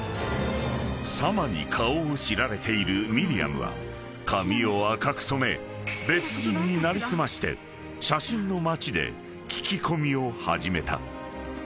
［サマに顔を知られているミリアムは髪を赤く染め別人に成り済まして写真の町で聞き込みを始めた］